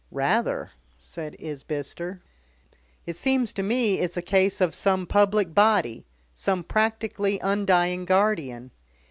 "Rather," said Isbister. "It seems to me it's a case of some public body, some practically undying guardian.